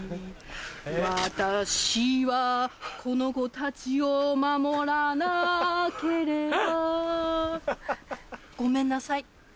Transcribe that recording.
私はこのコたちを守らなければごめんなさい。